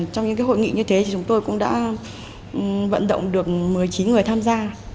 trong những hội nghị như thế thì chúng tôi cũng đã vận động được một mươi chín người tham gia